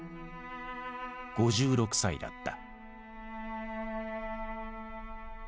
５６歳だった。